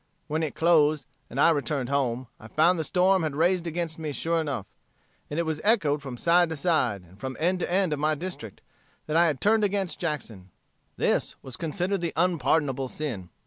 "When it closed, and I returned home, I found the storm had raised against me sure enough; and it was echoed from side to side, and from end to end of my district, that I had turned against Jackson. This was considered the unpardonable sin.